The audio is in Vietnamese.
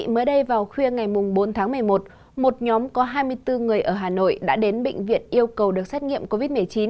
mới đây vào khuya ngày bốn tháng một mươi một một nhóm có hai mươi bốn người ở hà nội đã đến bệnh viện yêu cầu được xét nghiệm covid một mươi chín